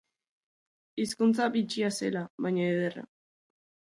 Hizkuntza bitxia zela, baina ederra.